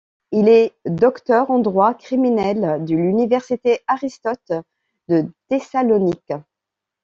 Il est docteur en droit criminel de l'Université Aristote de Thessalonique.